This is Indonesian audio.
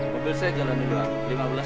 mobil saya jalan dulu